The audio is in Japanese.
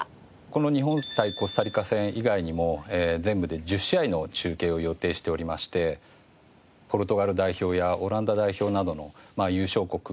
この日本対コスタリカ戦以外にも全部で１０試合の中継を予定しておりましてポルトガル代表やオランダ代表などの優勝国。